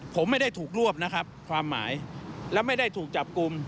ผมไม่ได้ถูกรวบนะครับความหมายและไม่ได้ถูกจับกลุ่ม